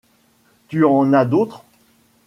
Tu en as d'autre ?